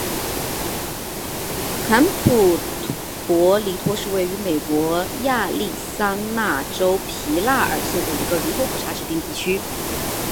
坎普博尼托是位于美国亚利桑那州皮纳尔县的一个人口普查指定地区。